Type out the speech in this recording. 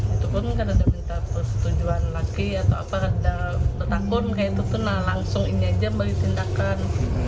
itu pun karena dia minta persetujuan laki atau apa dan takut nah langsung ini aja beri tindakan